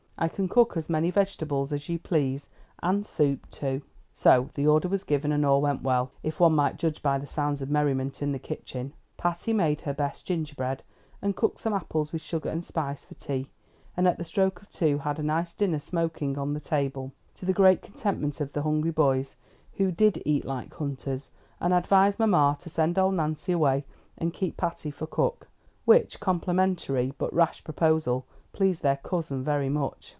I can cook as many vegetables as you please, and soup too." So the order was given and all went well, if one might judge by the sounds of merriment in the kitchen. Patty made her best gingerbread, and cooked some apples with sugar and spice for tea, and at the stroke of two had a nice dinner smoking on the table, to the great contentment of the hungry boys, who did eat like hunters, and advised mamma to send old Nancy away and keep Patty for cook; which complimentary but rash proposal pleased their cousin very much.